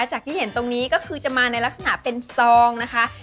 ที่เห็นตรงนี้ก็คือจะมาในลักษณะเป็นซองนะคะ